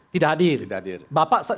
tidak hadir tidak hadir bapak